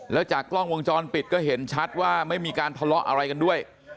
แล้วจากกล้องวงจรปิดก็เห็นชัดว่าไม่มีการทะเลาะอะไรกันด้วย